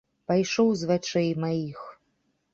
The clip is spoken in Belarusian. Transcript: Пайшоў з вачэй маіх.